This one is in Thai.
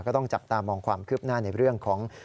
ก็ต้องจับตามองความคืบหน้าในเรื่องของ